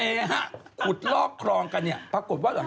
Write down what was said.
โอ้ยหนูรู้จริงแหละว่าพี่โฟสคนนั้นมาเป็นเพลง